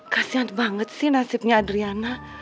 kasian banget sih nasibnya adriana